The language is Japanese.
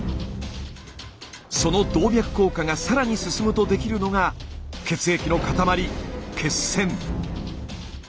その動脈硬化が更に進むとできるのが血液の塊血栓。